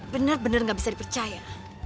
bener bener gak bisa dipercaya